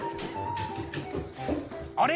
「あれ？